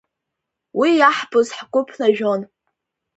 Уи иаҳбоз ҳгәы ԥнажәон.